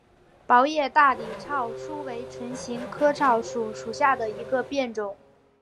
薄叶大理糙苏为唇形科糙苏属下的一个变种。